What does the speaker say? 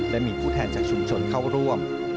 และมีผู้แทนจากชุมชนเข้าร่วม